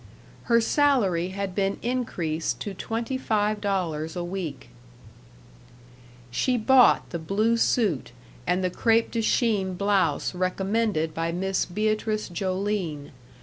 Her salary had been increased to twenty five dollars a week. She bought the blue suit and the crêpe de Chine blouse recommended by Miss Beatrice Joline.